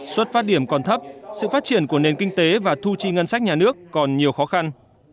xuất phát điểm còn thấp sự phát triển của nền kinh tế và thu chi ngân sách nhà nước còn nhiều khó khăn